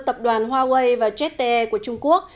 tập đoàn huawei và jte của trung quốc